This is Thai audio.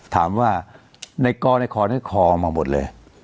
ถามว่าในก้อในคอในคอมาหมดเลย